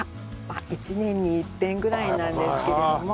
１年にいっぺんぐらいなんですけれども。